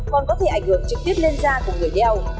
còn có thể ảnh hưởng trực tiếp lên da của người đeo